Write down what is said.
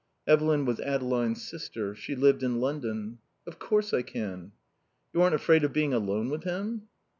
Evelyn was Adeline's sister. She lived in London. "Of course I can." "You aren't afraid of being alone with him?"